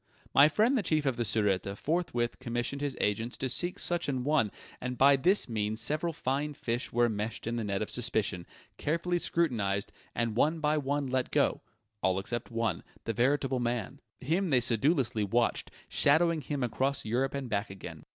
My friend the Chief of the Sûreté forthwith commissioned his agents to seek such an one, and by this means several fine fish were enmeshed in the net of suspicion, carefully scrutinized, and one by one let go all except one, the veritable man. Him they sedulously watched, shadowing him across Europe and back again.